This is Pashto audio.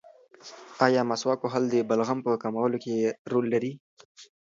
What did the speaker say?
ایا مسواک وهل د بلغم په کمولو کې رول لري؟